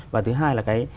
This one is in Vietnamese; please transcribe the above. và thứ hai là cái